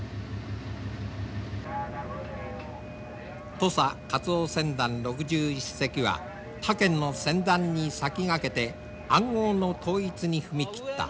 土佐カツオ船団６１隻は他県の船団に先駆けて暗号の統一に踏み切った。